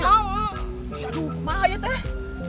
aduh kemah ya teh